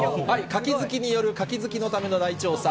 カキ好きによるカキ好きのための大調査。